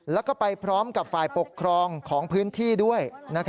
แล้วก็ไปพร้อมกับฝ่ายปกครองของพื้นที่ด้วย